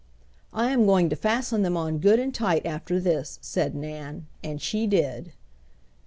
"I am going to fasten them on good and tight after this," said Nan, and she did.